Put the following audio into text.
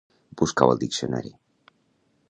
Busca-ho al diccionari